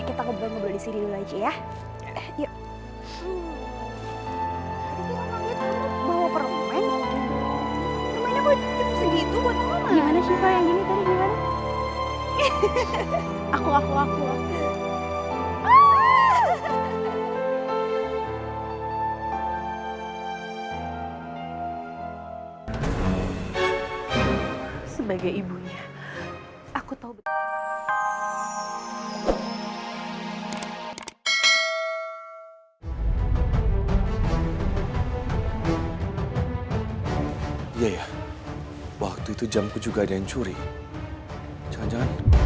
hai ya hai bawa permen gimana buat segitu gimana